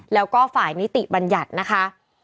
แล้วก็ฝ่ายนิติบัญญัตินะคะ